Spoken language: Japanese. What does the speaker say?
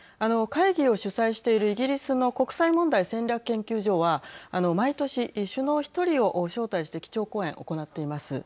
会議を主催しているイギリスの国際問題戦略研究所は毎年、首脳１人を招待して基調講演行っています。